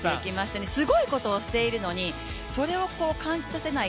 すごいことをしているのにそれを感じさせない